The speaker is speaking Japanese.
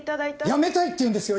辞めたいっていうんですよ